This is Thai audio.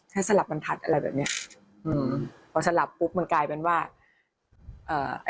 สลับบรรทัดอะไรแบบเนี้ยอืมพอสลับปุ๊บมันกลายเป็นว่าเอ่อ